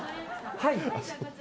はい。